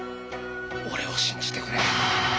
俺を信じてくれ。